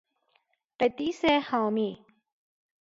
قدیس حامی